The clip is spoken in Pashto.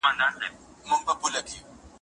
د هوايي ډګر ساتونکي د هغه د بکسونو پلټنه کوله.